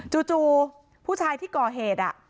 จู่ผู้ชายที่ก่อเหตุ